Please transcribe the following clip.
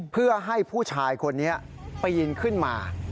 เพื่อให้ผู้ชายคนนี้ปีนขึ้นมา